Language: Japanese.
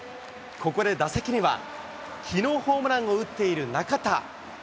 ここで打席には、きのうホームランを打っている中田。